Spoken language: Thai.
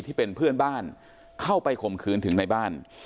ที่เป็นเพื่อนบ้านเข้าไปข่มขืนถึงในบ้าน